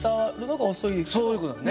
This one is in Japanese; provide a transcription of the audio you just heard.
そういう事だね。